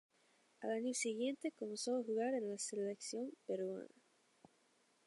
Al año siguiente comenzó a jugar en la selección peruana.